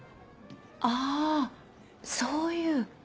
あそういう。